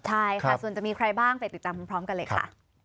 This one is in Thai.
ใช่ค่ะส่วนจะมีใครบ้างไปติดตามพร้อมกันเลยค่ะ